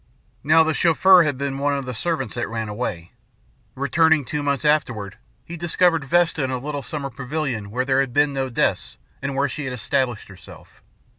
"Now the Chauffeur had been one of the servants that ran away. Returning, two months afterward, he discovered Vesta in a little summer pavilion where there had been no deaths and where she had established herself.